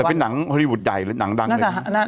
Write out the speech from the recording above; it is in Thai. เป็นหนังฮอลลีวูดใหญ่หรือหนังดังเลย